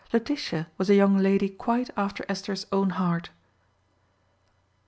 Letitia was a young lady quite after Esther's own heart.